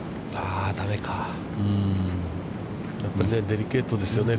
デリケートですよね。